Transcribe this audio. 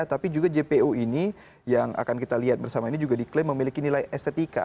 tapi juga jpo ini yang akan kita lihat bersama ini juga diklaim memiliki nilai estetika